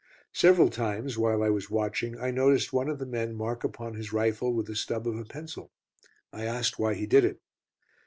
Several times while I was watching, I noticed one of the men mark upon his rifle with the stub of a pencil. I asked why he did it.